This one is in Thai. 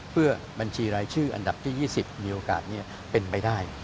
เพื่อบัญชีรายชื่ออันดับที่๒๐มีโอกาสเป็นไปได้